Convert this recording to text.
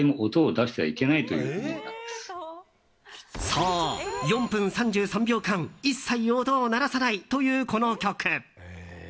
そう、４分３３秒間一切音を鳴らさないというこの曲。